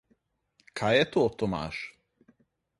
Kaj je to, Tomaž?